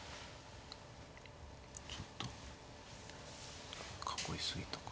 ちょっと囲い過ぎたか。